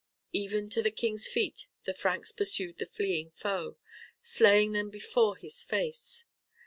Even to the King's feet the Franks pursued the fleeing foe, slaying them before his face.